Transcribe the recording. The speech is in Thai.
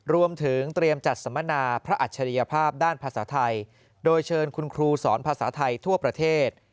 รวมถึงเตรียมจัดสัมมนาพระอัจฉริยภาพด้านภาษาไทยโดยเชิญคุณครูสอนภาษาไทยทั่วประเทศ